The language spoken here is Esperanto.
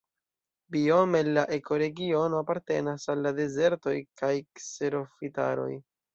Biome la ekoregiono apartenas al la dezertoj kaj kserofitaroj.